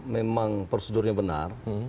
memang prosedurnya benar